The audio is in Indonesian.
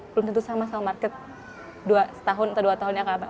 belum tentu sama sama market dua tahun atau dua tahun yang akan datang